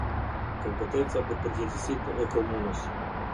Kompetencat dhe përgjegjësitë e komunës.